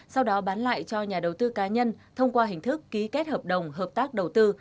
sau đó bán lại cho nhà đầu tư cá nhân thông qua hình thức ký kết hợp đồng hợp tác đầu tư